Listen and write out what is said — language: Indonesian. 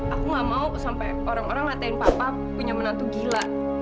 aku gak mau sampai orang orang ngatain papa punya menantu gila